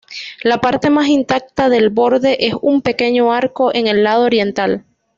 La parte más intacta del borde es un pequeño arco en el lado oriental.